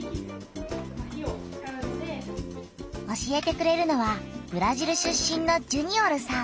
教えてくれるのはブラジル出身のジュニオルさん。